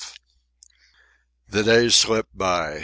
The days slip by.